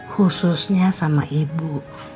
khususnya sama ibu